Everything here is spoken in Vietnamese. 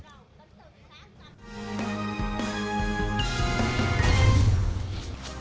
hồ chứa phù mỹ